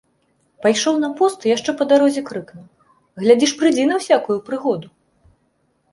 Пайшоў на пост і яшчэ па дарозе крыкнуў: «Глядзі ж прыйдзі на ўсякую прыгоду!»